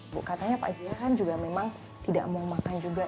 bu katanya pak jihan juga memang tidak mau makan juga